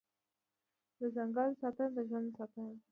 د ځنګل ساتنه د ژوند ساتنه ده